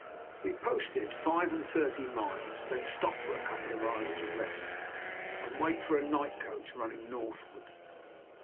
WE posted five and thirty miles, then stopped for a couple of hours to rest, and wait for a night coach running northward.